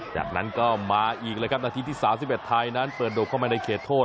จากนั้นก็มาอีกเลยครับนาทีที่๓๑ไทยนั้นเปิดโดกเข้ามาในเขตโทษ